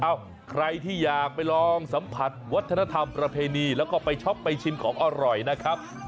ใครที่อยากไปลองสัมผัสวัฒนธรรมประเพณีแล้วก็ไปช็อปไปชิมของอร่อยนะครับ